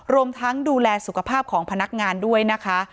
รวมทั้งดูแลสุขภาพของพนักงานด้วยนะคะ